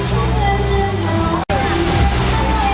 สุดท้ายสุดท้ายสุดท้าย